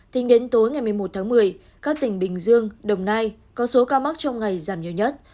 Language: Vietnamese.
tính đến tối ngày một mươi một tháng một mươi các tỉnh bình dương đồng nai có số ca mắc trong ngày giảm nhiều nhất